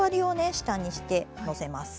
下にしてのせます。